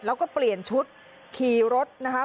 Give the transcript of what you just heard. แล้วก็เปลี่ยนชุดขี่รถนะคะ